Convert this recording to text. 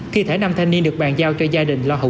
kỳ thể nam thanh niên được bàn giao cho gia đình lo hậu sự